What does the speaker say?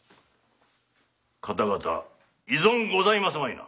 方々異存ございますまいな。